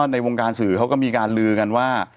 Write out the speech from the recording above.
ในวงการสื่อเขาก็มีการลือกันว่า